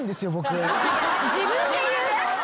自分で言う？